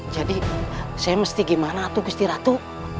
jadi saya mesti gimana itu gusti ratu